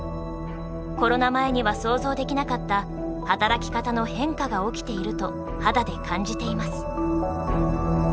コロナ前には想像できなかった働き方の変化が起きていると肌で感じています。